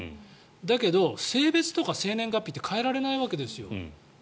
だけど、性別とか生年月日って変えられないわけですよ。